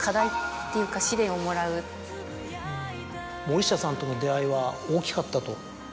森下さんとの出会いは大きかったと。